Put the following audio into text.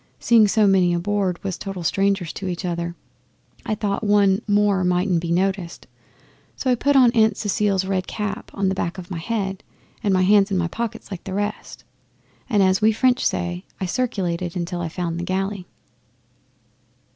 Seeing so many aboard was total strangers to each other, I thought one more mightn't be noticed; so I put Aunt Cecile's red cap on the back of my head, and my hands in my pockets like the rest, and, as we French say, I circulated till I found the galley.